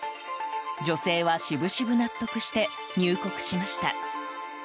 女性は渋々納得して入国しました。